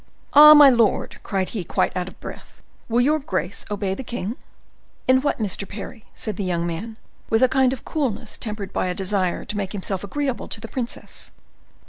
"Ah! my lord!" cried he, quite out of breath, "will your grace obey the king?" "In what, Mr. Parry?" said the young man, with a kind of coolness tempered by a desire to make himself agreeable to the princess.